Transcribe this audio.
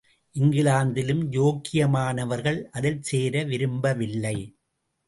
இங்கிலாந்திலும் யோக்கியமானவர்கள் அதில் சேர விரும்பவில்லை.